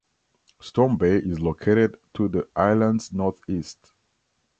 Storm Bay is located to the island's northeast.